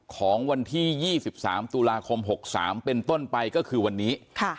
ของวันที่๒๓ตุลาคม๖๓เป็นต้นไปก็คือวันนี้